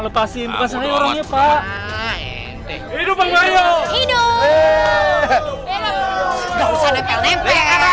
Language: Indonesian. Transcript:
lepasin orangnya pak hidup hidup